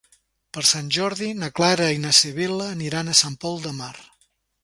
Per Sant Jordi na Clara i na Sibil·la aniran a Sant Pol de Mar.